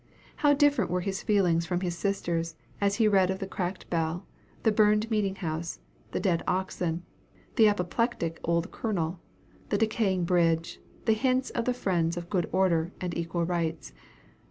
How different were his feelings from his sister's, as he read of the cracked bell, the burned meeting house, the dead oxen, the apoplectic old Colonel, the decayed bridge, the hints of the friends of "good order" and "equal rights."